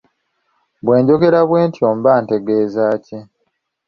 Bwe njogera bwe ntyo mba ntegeeza ki?